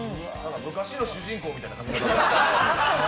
昔の主人公みたいな髪形。